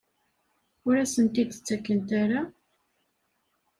Ur as-ten-id-ttakent ara?